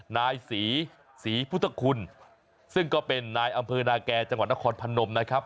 นายศรีศรีพุทธคุณซึ่งก็เป็นนายอำเภอนาแก่จังหวัดนครพนมนะครับ